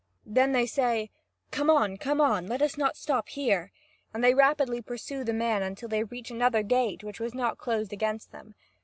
Then they say: "Come on, come on! Let us not stop here!" and they rapidly pursue the man until they reach another gate which was not closed against them.